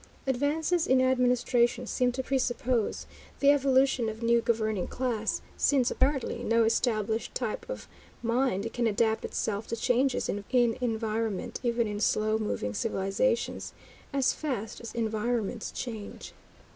Advances in administration seem to presuppose the evolution of new governing classes, since, apparently, no established type of mind can adapt itself to changes in environment, even in slow moving civilizations, as fast as environments change.